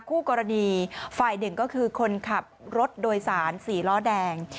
คู่กรณีฝ่ายหนึ่งก็คือคนขับรถโดยสารสี่ล้อแดง